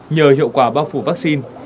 nhờ hiệu quả bao phủ vaccine